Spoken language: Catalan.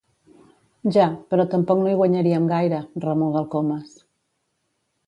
Ja, però tampoc no hi guanyaríem gaire —remuga el Comas—.